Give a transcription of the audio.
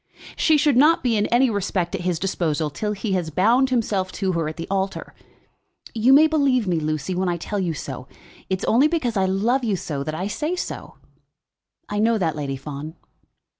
"She should not be in any respect at his disposal till he has bound himself to her at the altar. You may believe me, Lucy, when I tell you so. It is only because I love you so that I say so." "I know that, Lady Fawn."